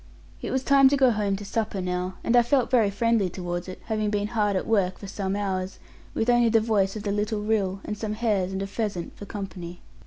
It was time to go home to supper now, and I felt very friendly towards it, having been hard at work for some hours, with only the voice of the little rill, and some hares and a pheasant for company.